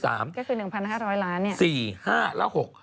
ก็คือ๑๕๐๐ล้านเนี่ยสี่ห้าแล้วหก